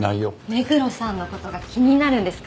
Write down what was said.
目黒さんの事が気になるんですか？